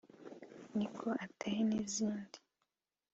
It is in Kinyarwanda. “Niko Ateye” n’izindi